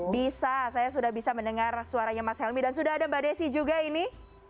bisa saya sudah bisa mendengar suaranya mas helmy dan sudah ada mbak desi juga ini